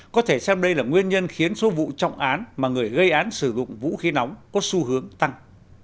có thể xem đây là nguyên nhân khiến số vụ trọng án mà người gây án sử dụng vũ khí nóng có xu hướng tăng